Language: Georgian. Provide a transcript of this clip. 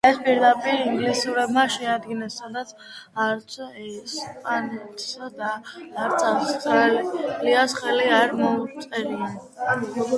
ეს პირდაპირ ინგლისელებმა შეადგინეს, სადაც არც ესპანეთს და არც ავსტრიას ხელი არ მოუწერია.